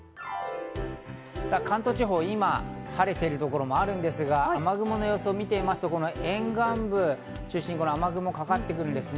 関東地方、今、晴れているところもあるんですが雨雲の様子を見てみますと沿岸部中心に雨雲がかかってくるんですね。